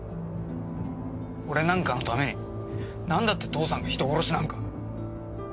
俺なんかのためになんだって父さんが人殺しなんか。